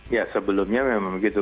ya sebelumnya memang begitu